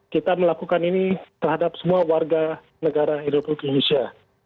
kita melakukan ini terhadap semua warga negara indonesia